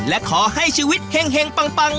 และขอให้ชีวิตเฮ็งเฮงปัง